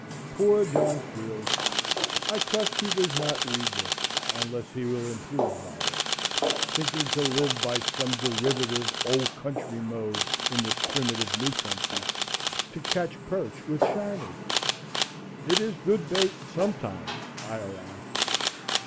Poor John Field!—I trust he does not read this, unless he will improve by it,—thinking to live by some derivative old country mode in this primitive new country,—to catch perch with shiners. It is good bait sometimes, I allow.